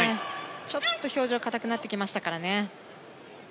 ちょっと表情が硬くなってきましたからね。